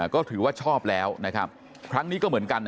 ก็ถือว่าชอบแล้วนะครับครั้งนี้ก็เหมือนกัน